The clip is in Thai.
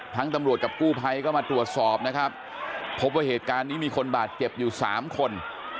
ตำรวจกับกู้ภัยก็มาตรวจสอบนะครับพบว่าเหตุการณ์นี้มีคนบาดเจ็บอยู่สามคน